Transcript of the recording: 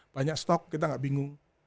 banyak stok kita nggak bingung